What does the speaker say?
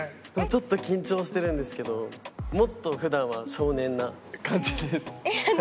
ちょっと緊張してるんですけどもっと普段は少年な感じです。